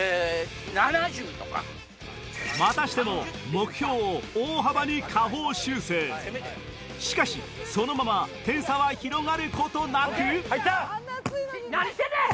またしても目標を大幅に下方修正しかしそのまま点差は広がることなく何してんねん！